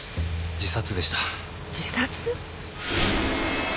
自殺？